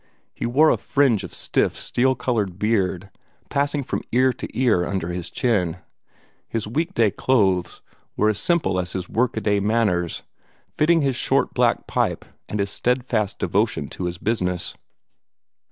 He wore a fringe of stiff, steel colored beard, passing from ear to ear under his chin. His week day clothes were as simple as his workaday manners, fitting his short black pipe and his steadfast devotion to his business.